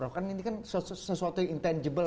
karena ini kan sesuatu yang intangible